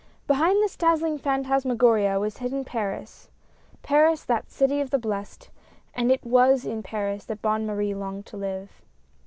Behind this dazzling phantasmagoria was hidden Paris — Paris, that city of the blest — and it was in Paris that Bonne Marie longed to live.